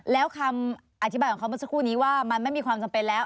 แล้วคำอธิบายของเขาเมื่อสักครู่นี้ว่ามันไม่มีความจำเป็นแล้ว